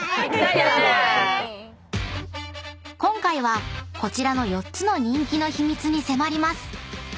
［今回はこちらの４つの人気の秘密に迫ります］